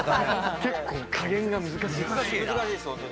結構加減が難しいです、本当に。